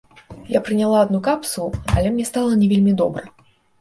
Я прыняла адну капсулу, але мне стала не вельмі добра.